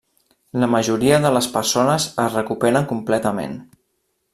La majoria de les persones es recuperen completament.